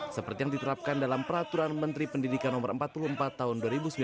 seperti yang diterapkan dalam peraturan menteri pendidikan no empat puluh empat tahun dua ribu sembilan belas